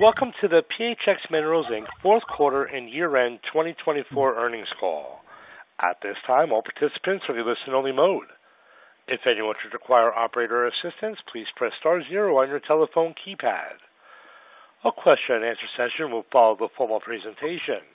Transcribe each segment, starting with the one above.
Welcome to the PHX Minerals Inc.'s Fourth Quarter and Year-End 2024 Earnings Call. At this time, all participants are in listen-only mode. If anyone should require operator assistance, please press star zero on your telephone keypad. A question-and-answer session will follow the formal presentation.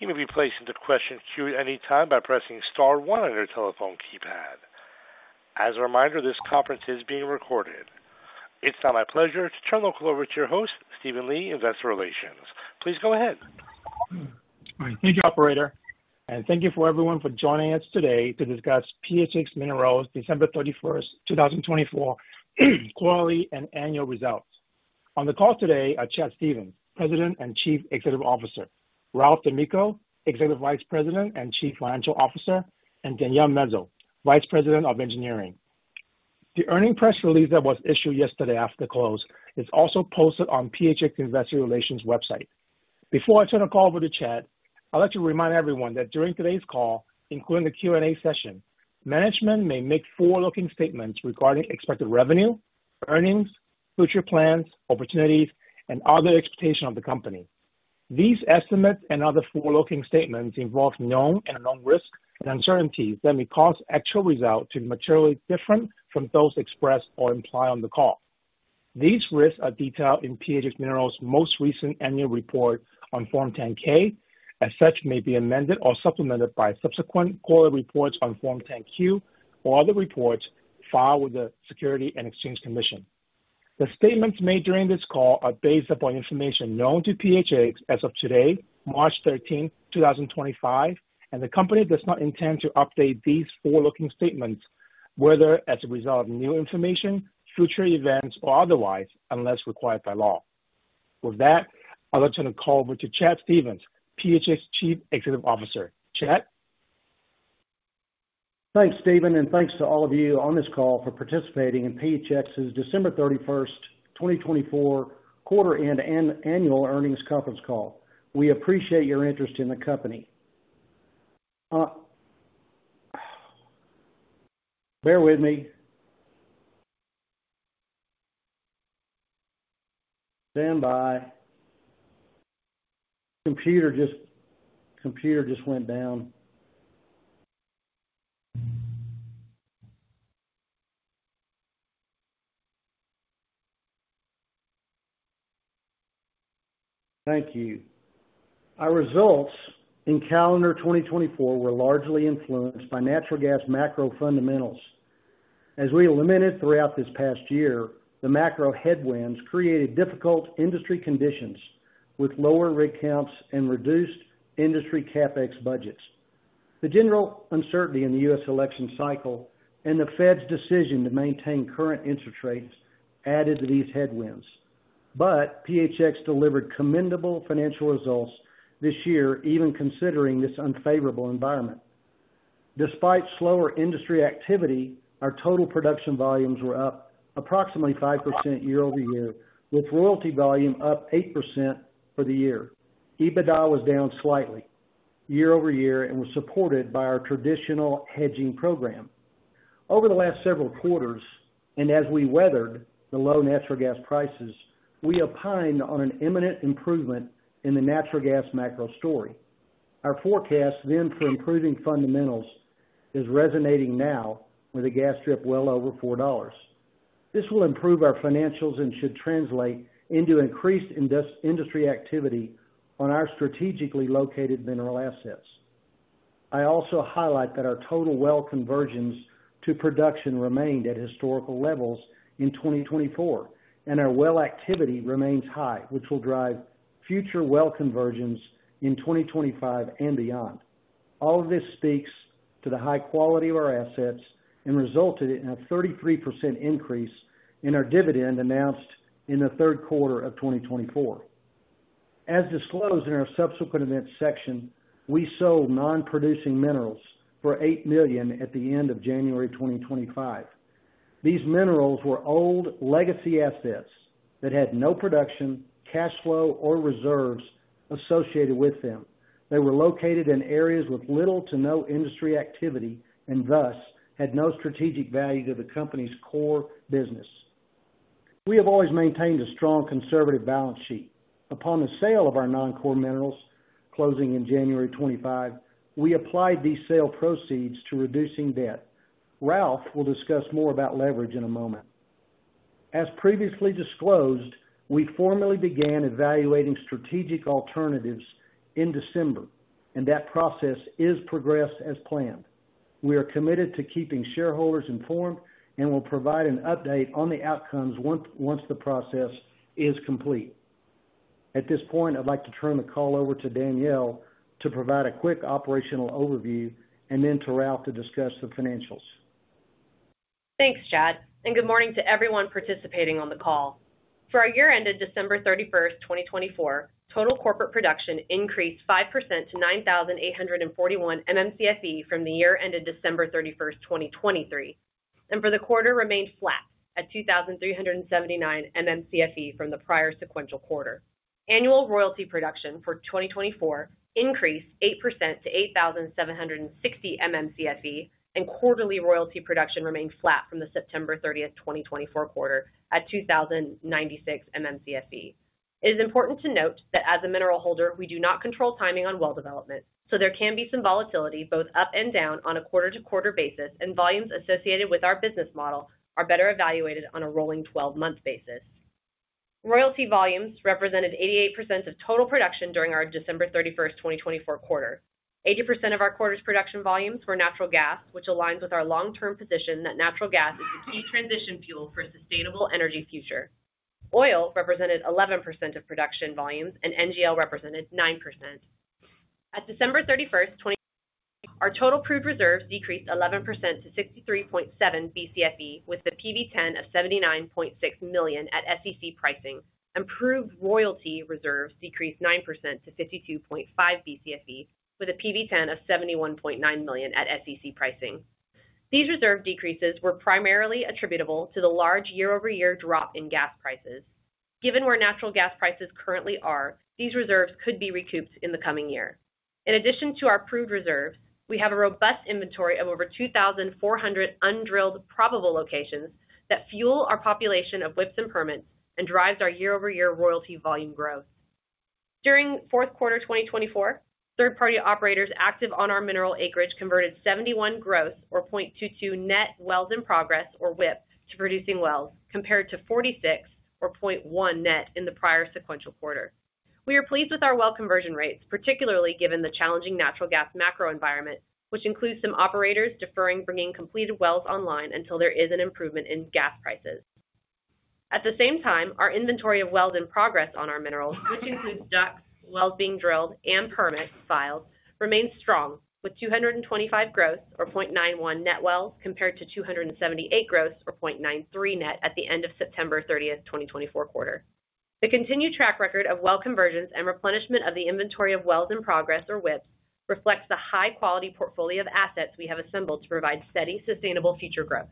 You may be placed into question queue at any time by pressing star one on your telephone keypad. As a reminder, this conference is being recorded. It's now my pleasure to turn the call over to your host, Stephen Lee, Investor Relations. Please go ahead. All right. Thank you, Operator. Thank you for everyone for joining us today to discuss PHX Minerals' December 31st, 2024, quarterly and annual results. On the call today are Chad Stephens, President and Chief Executive Officer; Ralph D'Amico, Executive Vice President and Chief Financial Officer; and Danielle Mezo, Vice President of Engineering. The earnings press release that was issued yesterday after the close is also posted on PHX Investor Relations' website. Before I turn the call over to Chad, I'd like to remind everyone that during today's call, including the Q&A session, management may make forward-looking statements regarding expected revenue, earnings, future plans, opportunities, and other expectations of the company. These estimates and other forward-looking statements involve known and unknown risks and uncertainties that may cause actual results to be materially different from those expressed or implied on the call. These risks are detailed in PHX Minerals' most recent annual report on Form 10-K, as such may be amended or supplemented by subsequent quarterly reports on Form 10-Q or other reports filed with the Securities and Exchange Commission. The statements made during this call are based upon information known to PHX as of today, March 13th, 2025, and the company does not intend to update these forward-looking statements, whether as a result of new information, future events, or otherwise, unless required by law. With that, I'd like to turn the call over to Chad Stephens, PHX Chief Executive Officer. Chad? Thanks, Stephen. And thanks to all of you on this call for participating in PHX's December 31st, 2024, quarter and annual earnings conference call. We appreciate your interest in the company. Bear with me. Stand by. Computer just went down. Thank you. Our results in calendar 2024 were largely influenced by natural gas macro fundamentals. As we eliminated throughout this past year, the macro headwinds created difficult industry conditions with lower rig counts and reduced industry CapEx budgets. The general uncertainty in the U.S. election cycle and the Fed's decision to maintain current interest rates added to these headwinds. But PHX delivered commendable financial results this year, even considering this unfavorable environment. Despite slower industry activity, our total production volumes were up approximately 5% year-over-year, with royalty volume up 8% for the year. EBITDA was down slightly year-over-year and was supported by our traditional hedging program. Over the last several quarters, and as we weathered the low natural gas prices, we opined on an imminent improvement in the natural gas macro story. Our forecast then for improving fundamentals is resonating now with a gas strip well over $4. This will improve our financials and should translate into increased industry activity on our strategically located mineral assets. I also highlight that our total well conversions to production remained at historical levels in 2024, and our well activity remains high, which will drive future well conversions in 2025 and beyond. All of this speaks to the high quality of our assets and resulted in a 33% increase in our dividend announced in the third quarter of 2024. As disclosed in our subsequent events section, we sold non-producing minerals for $8 million at the end of January 2025. These minerals were old legacy assets that had no production, cash flow, or reserves associated with them. They were located in areas with little to no industry activity and thus had no strategic value to the company's core business. We have always maintained a strong conservative balance sheet. Upon the sale of our non-core minerals closing in January 2025, we applied these sale proceeds to reducing debt. Ralph will discuss more about leverage in a moment. As previously disclosed, we formally began evaluating strategic alternatives in December, and that process has progressed as planned. We are committed to keeping shareholders informed and will provide an update on the outcomes once the process is complete. At this point, I'd like to turn the call over to Danielle to provide a quick operational overview and then to Ralph to discuss the financials. Thanks, Chad. Good morning to everyone participating on the call. For our year-end of December 31st, 2024, total corporate production increased 5% to 9,841 MMCFE from the year-end of December 31st, 2023, and for the quarter remained flat at 2,379 MMCFE from the prior sequential quarter. Annual royalty production for 2024 increased 8% to 8,760 MMCFE, and quarterly royalty production remained flat from the September 30th, 2024 quarter at 2,096 MMCFE. It is important to note that as a mineral holder, we do not control timing on well development, so there can be some volatility both up and down on a quarter-to-quarter basis, and volumes associated with our business model are better evaluated on a rolling 12-month basis. Royalty volumes represented 88% of total production during our December 31st, 2024 quarter. 80% of our quarter's production volumes were natural gas, which aligns with our long-term position that natural gas is the key transition fuel for a sustainable energy future. Oil represented 11% of production volumes, and NGL represented 9%. At December 31st, 2024, our total proved reserves decreased 11% to 63.7 BCFE, with a PV-10 of $79.6 million at SEC pricing. Proved royalty reserves decreased 9% to 52.5 BCFE, with a PV-10 of $71.9 million at SEC pricing. These reserve decreases were primarily attributable to the large year-over-year drop in gas prices. Given where natural gas prices currently are, these reserves could be recouped in the coming year. In addition to our proved reserves, we have a robust inventory of over 2,400 undrilled probable locations that fuel our population of WIPs and permits and drives our year-over-year royalty volume growth. During fourth quarter 2024, third-party operators active on our mineral acreage converted 71 gross or 0.22 net wells in progress, or WIP, to producing wells, compared to 46 or 0.1 net in the prior sequential quarter. We are pleased with our well conversion rates, particularly given the challenging natural gas macro environment, which includes some operators deferring bringing completed wells online until there is an improvement in gas prices. At the same time, our inventory of wells in progress on our minerals, which includes DUCs, wells being drilled, and permits filed, remains strong with 225 gross or 0.91 net wells compared to 278 gross or 0.93 net at the end of September 30th, 2024 quarter. The continued track record of well conversions and replenishment of the inventory of wells in progress, or WIPs, reflects the high-quality portfolio of assets we have assembled to provide steady, sustainable future growth.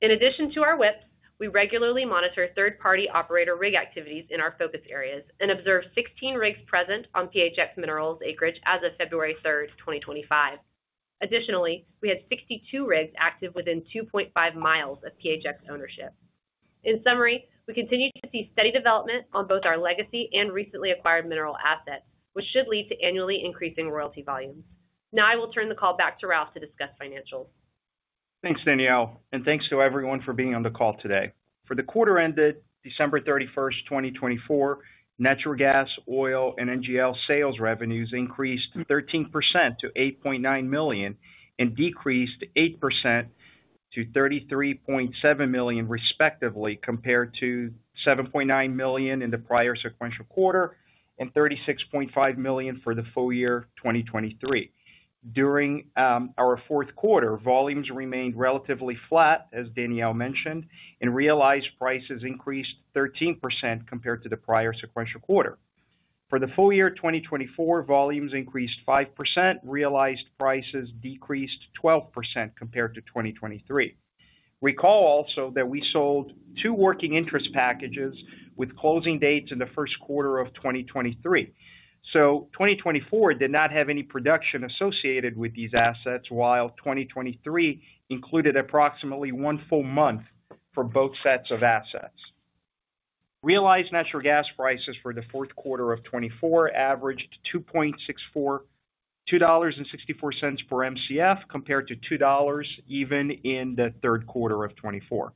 In addition to our WIPs, we regularly monitor third-party operator rig activities in our focus areas and observed 16 rigs present on PHX Minerals acreage as of February 3rd, 2025. Additionally, we had 62 rigs active within 2.5 miles of PHX ownership. In summary, we continue to see steady development on both our legacy and recently acquired mineral assets, which should lead to annually increasing royalty volumes. Now I will turn the call back to Ralph to discuss financials. Thanks, Danielle, and thanks to everyone for being on the call today. For the quarter ended December 31st, 2024, natural gas, oil, and NGL sales revenues increased 13% to $8.9 million and decreased 8% to $33.7 million, respectively, compared to $7.9 million in the prior sequential quarter and $36.5 million for the full year 2023. During our fourth quarter, volumes remained relatively flat, as Danielle mentioned, and realized prices increased 13% compared to the prior sequential quarter. For the full year 2024, volumes increased 5%. Realized prices decreased 12% compared to 2023. Recall also that we sold two working interest packages with closing dates in the first quarter of 2023. 2024 did not have any production associated with these assets, while 2023 included approximately one full month for both sets of assets. Realized natural gas prices for the fourth quarter of 2024 averaged $2.64, $2.64 per MCF compared to $2.00 even in the third quarter of 2024.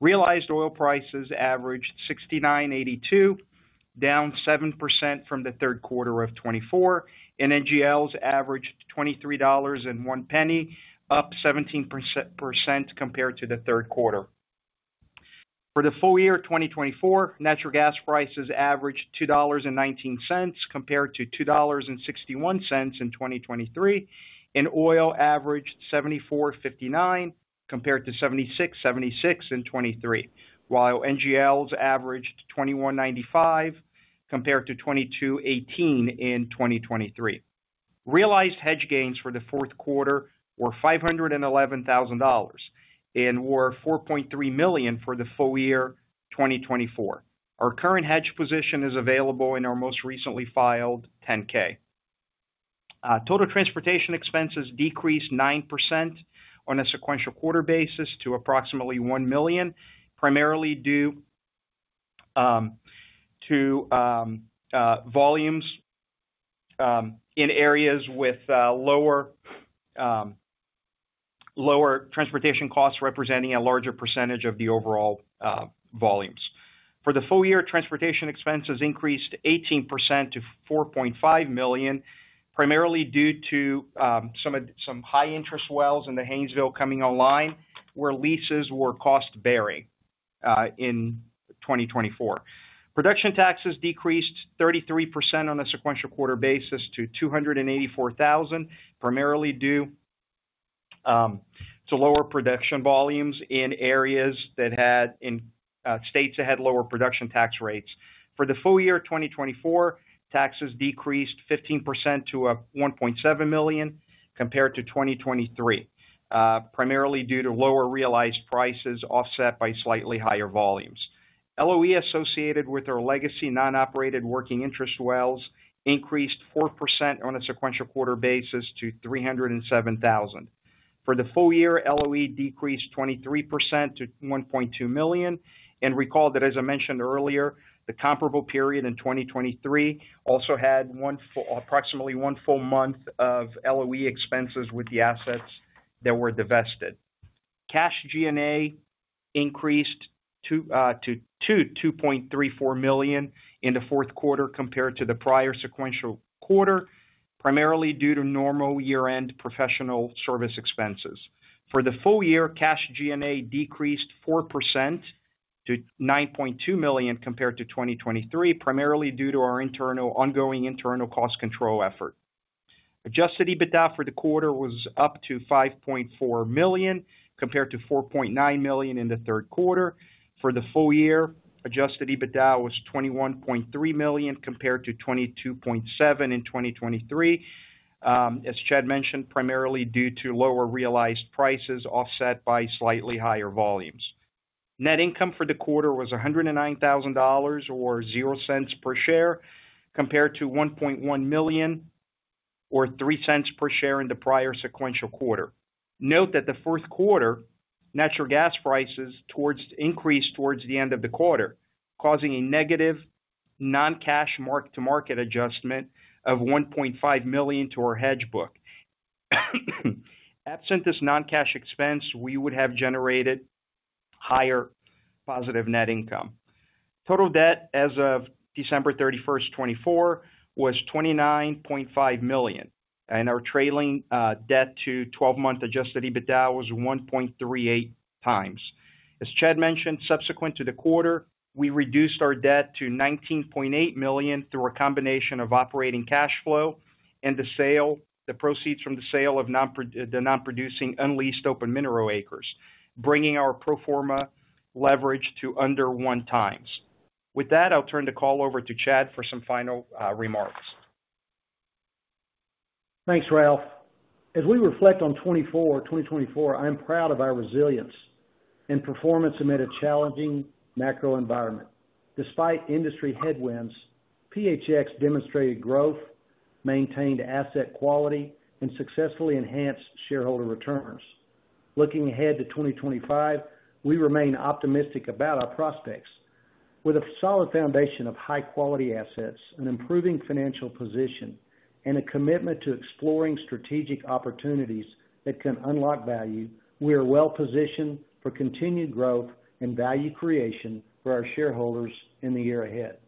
Realized oil prices averaged $69.82, down 7% from the third quarter of 2024, and NGLs averaged $23.01, up 17% compared to the third quarter. For the full year 2024, natural gas prices averaged $2.19 compared to $2.61 in 2023, and oil averaged $74.59 compared to $76.76 in 2023, while NGLs averaged $21.95 compared to $22.18 in 2023. Realized hedge gains for the fourth quarter were $511,000 and were $4.3 million for the full year 2024. Our current hedge position is available in our most recently filed 10-K. Total transportation expenses decreased 9% on a sequential quarter basis to approximately $1 million, primarily due to volumes in areas with lower transportation costs representing a larger percentage of the overall volumes. For the full year, transportation expenses increased 18% to $4.5 million, primarily due to some high-interest wells in the Haynesville coming online where leases were cost-bearing in 2024. Production taxes decreased 33% on a sequential quarter basis to $284,000, primarily due to lower production volumes in areas that had states that had lower production tax rates. For the full year 2024, taxes decreased 15% to $1.7 million compared to 2023, primarily due to lower realized prices offset by slightly higher volumes. LOE associated with our legacy non-operated working interest wells increased 4% on a sequential quarter basis to $307,000. For the full year, LOE decreased 23% to $1.2 million. Recall that, as I mentioned earlier, the comparable period in 2023 also had approximately one full month of LOE expenses with the assets that were divested. Cash G&A increased to $2.34 million in the fourth quarter compared to the prior sequential quarter, primarily due to normal year-end professional service expenses. For the full year, cash G&A decreased 4% to $9.2 million compared to 2023, primarily due to our ongoing internal cost control effort. Adjusted EBITDA for the quarter was up to $5.4 million compared to $4.9 million in the third quarter. For the full year, adjusted EBITDA was $21.3 million compared to $22.7 million in 2023, as Chad mentioned, primarily due to lower realized prices offset by slightly higher volumes. Net income for the quarter was $109,000 or $0.00 per share compared to $1.1 million or $0.03 per share in the prior sequential quarter. Note that the fourth quarter natural gas prices increased towards the end of the quarter, causing a negative non-cash mark-to-market adjustment of $1.5 million to our hedge book. Absent this non-cash expense, we would have generated higher positive net income. Total debt as of December 31st, 2024, was $29.5 million, and our trailing debt to 12-month adjusted EBITDA was 1.38 times. As Chad mentioned, subsequent to the quarter, we reduced our debt to $19.8 million through a combination of operating cash flow and the proceeds from the sale of the non-producing unleased open mineral acres, bringing our pro forma leverage to under one times. With that, I'll turn the call over to Chad for some final remarks. Thanks, Ralph. As we reflect on 2024, I'm proud of our resilience and performance amid a challenging macro environment. Despite industry headwinds, PHX demonstrated growth, maintained asset quality, and successfully enhanced shareholder returns. Looking ahead to 2025, we remain optimistic about our prospects. With a solid foundation of high-quality assets, an improving financial position, and a commitment to exploring strategic opportunities that can unlock value, we are well-positioned for continued growth and value creation for our shareholders in the year ahead.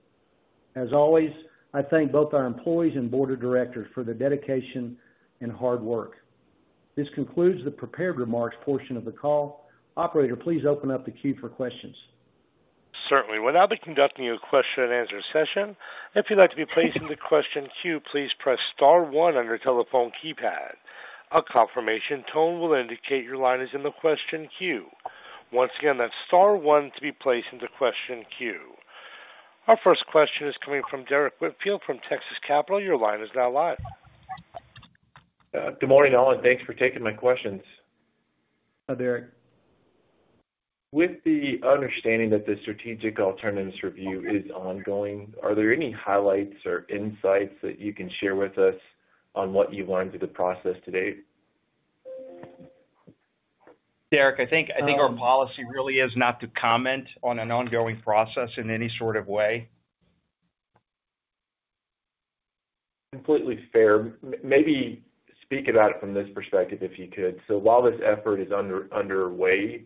As always, I thank both our employees and board of directors for the dedication and hard work. This concludes the prepared remarks portion of the call. Operator, please open up the queue for questions. Certainly. Without conducting a question-and-answer session, if you'd like to be placed in the question queue, please press star one on your telephone keypad. A confirmation tone will indicate your line is in the question queue. Once again, that's star one to be placed in the question queue. Our first question is coming from Derrick Whitfield from Texas Capital. Your line is now live. Good morning, all. Thanks for taking my questions. Hi, Derrick. With the understanding that the strategic alternatives review is ongoing, are there any highlights or insights that you can share with us on what you learned through the process to date? Derrick, I think our policy really is not to comment on an ongoing process in any sort of way. Completely fair. Maybe speak about it from this perspective, if you could. While this effort is underway,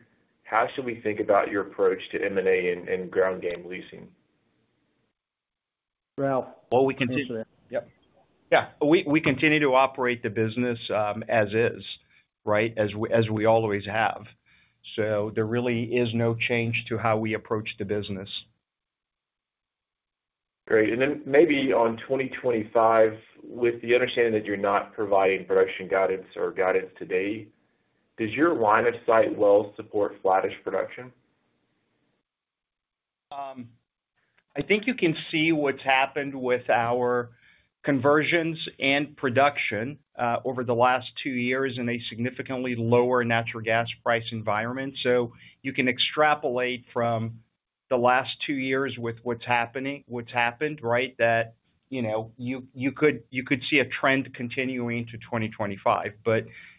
how should we think about your approach to M&A and ground game leasing? Ralph. We continue. Yep. Yeah. We continue to operate the business as is, right, as we always have. There really is no change to how we approach the business. Great. Maybe on 2025, with the understanding that you're not providing production guidance or guidance today, does your line of sight well support flattish production? I think you can see what's happened with our conversions and production over the last two years in a significantly lower natural gas price environment. You can extrapolate from the last two years with what's happened, right, that you could see a trend continuing to 2025.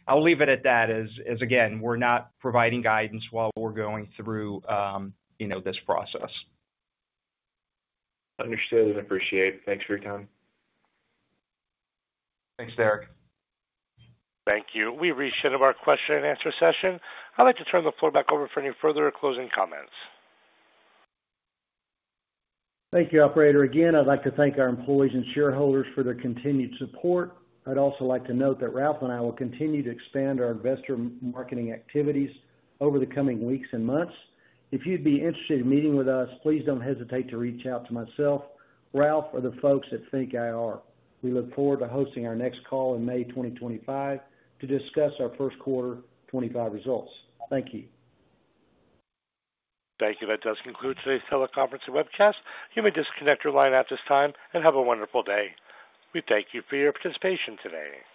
I'll leave it at that, as again, we're not providing guidance while we're going through this process. Understood and appreciated. Thanks for your time. Thanks, Derrick. Thank you. We've reached the end of our question-and-answer session. I'd like to turn the floor back over for any further closing comments. Thank you, Operator. Again, I'd like to thank our employees and shareholders for their continued support. I'd also like to note that Ralph and I will continue to expand our investor marketing activities over the coming weeks and months. If you'd be interested in meeting with us, please don't hesitate to reach out to myself, Ralph, or the folks at FNK IR. We look forward to hosting our next call in May 2025 to discuss our first quarter 2025 results. Thank you. Thank you. That does conclude today's teleconference and webcast. You may disconnect your line at this time and have a wonderful day. We thank you for your participation today.